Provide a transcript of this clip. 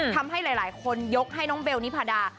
ทำให้หลายคนยกให้น้องเบลนิพาดา